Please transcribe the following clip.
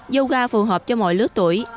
yoga phù hợp cho mọi lước tuổi